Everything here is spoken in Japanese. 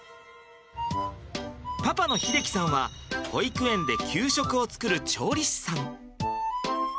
パパの秀輝さんは保育園で給食を作る調理師さん。